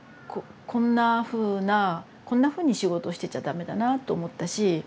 こんなふうなこんなふうに仕事をしてちゃ駄目だなと思ったし。